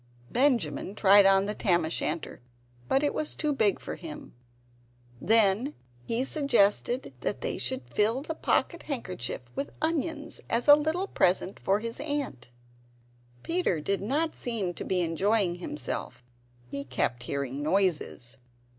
Benjamin tried on the tam o' shanter, but it was too big for him. Then he suggested that they should fill the pocket handkerchief with onions, as a little present for his Aunt. Peter did not seem to be enjoying himself; he kept hearing noises.